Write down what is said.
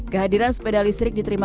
kehadiran sepeda listrik diterbitkan